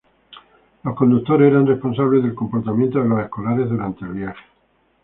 Los conductores eran responsables del comportamiento de los escolares durante el viaje.